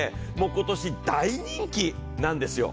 今年、大人気なんですよ。